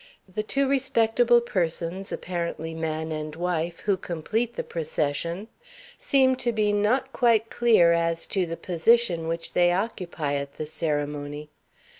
The two respectable persons, apparently man and wife, who complete the procession, seem to be not quite clear as to the position which they occupy at the ceremony.